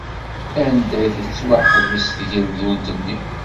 Anda ay tettwaḥbes tgeldunt-nni?